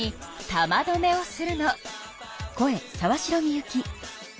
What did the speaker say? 玉どめをするの。